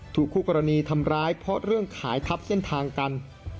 คู่กรณีทำร้ายเพราะเรื่องขายทับเส้นทางกัน